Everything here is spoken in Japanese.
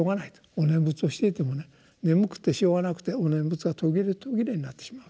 「お念仏をしていても眠くてしょうがなくてお念仏が途切れ途切れになってしまう」と。